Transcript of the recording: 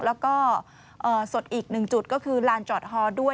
แล้วก็สดอีกหนึ่งจุดก็คือลานจอดฮอด้วย